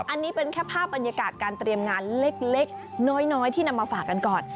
อันนี้เป็นแค่ภาพบรรยากาศการเตรียมงานเล็กน้อยที่นำมาฝากกันก่อน